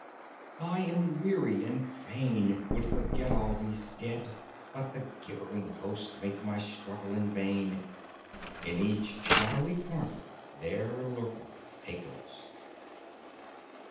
I am weary, and fain Would forget all these dead: but the gibbering host Make my struggle in vain, In each shadowy corner there lurketh a ghost.